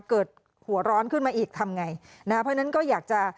เกิดหัวร้อนขึ้นมาอีกทำไงนะฮะเพราะฉะนั้นก็อยากจะ